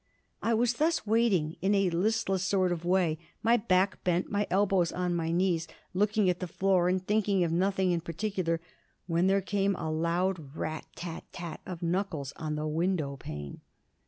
I was thus waiting in a listless sort of way, my back bent, my elbows on my knees, looking at the floor and thinking of nothing in particular, when there came a loud rat, tat, tat of knuckles on the window pane.